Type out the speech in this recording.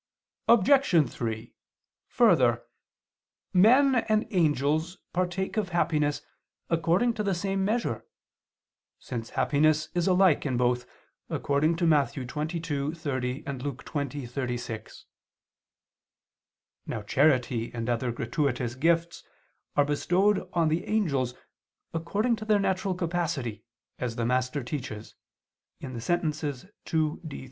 Obj. 3: Further, men and angels partake of happiness according to the same measure, since happiness is alike in both, according to Matt. 22:30 and Luke 20:36. Now charity and other gratuitous gifts are bestowed on the angels, according to their natural capacity, as the Master teaches (Sent. ii, D, 3).